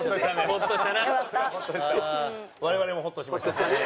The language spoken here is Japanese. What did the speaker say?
我々もホッとしました。